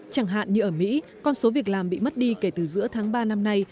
chẳng hạn như ở mỹ con số việc làm bị mất đi kể từ giữa tháng ba năm nay